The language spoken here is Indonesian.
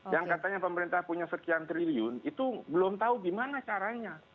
yang katanya pemerintah punya sekian triliun itu belum tahu gimana caranya